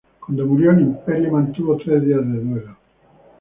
Cuando murió, el imperio mantuvo tres días de duelo.